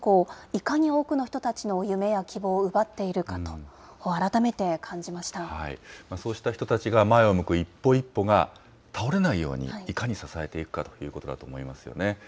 いかに多くの人たちの夢や希望を奪っているかと、改めて感じましそうした人たちが前を向く一歩一歩が倒れないように、いかに支えていくかということだと思いますよね。